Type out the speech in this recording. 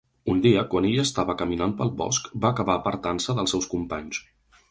Un dia, quan ell estava caminant pel bosc, va acabar apartant-se dels seus companys.